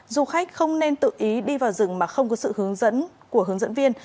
du khách không nên tự ý đi vào rừng mà không có sự hướng dẫn của hướng dẫn viên